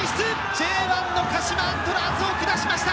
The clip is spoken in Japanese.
Ｊ１の鹿島アントラーズを下しました！